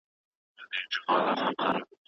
هغه له ډیرې مودې راهیسې سفر کاوه.